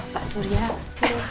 pak surya terus